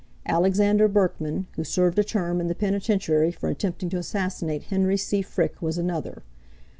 Alexander Berkman, who served a term in the penitentiary for attempting to assassinate Henry C. Frick, was another.